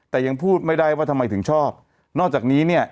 แต่ยังพูดไม่ได้ว่าทำไมถึงชอบนอกจากนี้เนี่ย